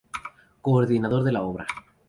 Coordinador de la obra.